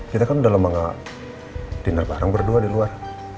kita kan udah lama gak tinggal bareng berdua di luar